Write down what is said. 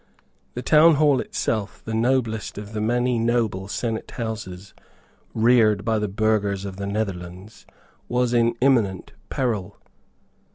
The Town Hall itself, the noblest of the many noble senate houses reared by the burghers of the Netherlands, was in imminent peril.